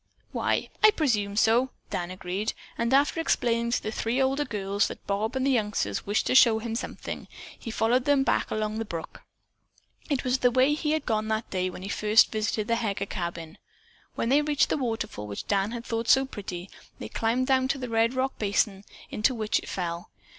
"Why, I presume so," Dan agreed, and after explaining to the three older girls that Bob and the youngsters wished to show him something, he followed them back along the brook. It was the way that he had gone on that day when he had first visited the Heger cabin. When they reached the waterfall which Dan had thought so pretty, they climbed down to the red rock basin into which it fell.